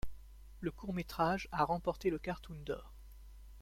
Le court métrage a remporté le Cartoon d'or.